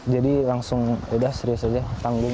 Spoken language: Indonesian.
jadi langsung udah serius aja tanggung